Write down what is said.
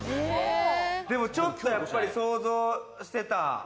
でもちょっとやっぱり想像してた。